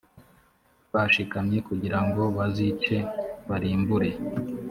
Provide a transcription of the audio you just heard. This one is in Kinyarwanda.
bashikamye kugira ngo bazice barimbure